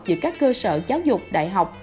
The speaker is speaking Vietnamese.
giữa các cơ sở giáo dục đại học